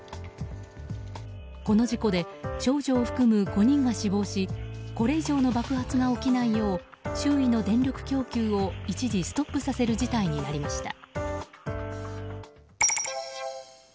この事故で少女を含む５人が死亡しこれ以上の爆発が起きないよう周囲の電力供給を一時ストップさせる事態になりました。